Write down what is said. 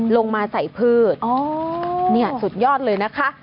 ลงมาใส่พืชนี่สุดยอดเลยนะคะ